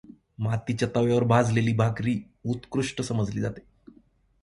मातीच्या तव्यावर भाजलेली भाकरी उत्कृष्ट समजली जाते.